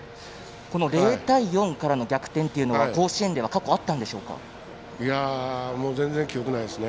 ０対４からの逆転は甲子園では過去あったんでしょうか。